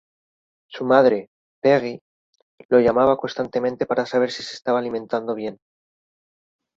Su madre, Peggy, lo llamaba constantemente para saber si se estaba alimentando bien.